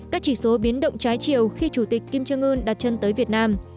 các chỉ số biến động trái triều khi chủ tịch kim trương ương đặt chân tới việt nam